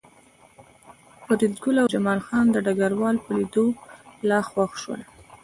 فریدګل او جمال خان د ډګروال په لیدو لا خوښ شول